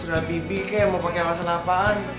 sudah bibi kek mau pakai alasan apaan